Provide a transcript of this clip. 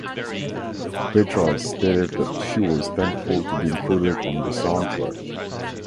Petras stated that she was thankful to be included on the soundtrack.